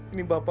ini bapak nak